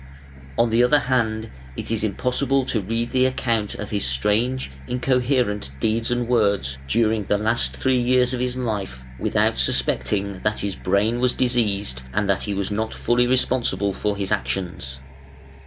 On the other hand it is impossible to read the account of his strange incoherent deeds and words during the last three years of his life, without suspecting that his brain was diseased and that he was not fully responsible for his actions.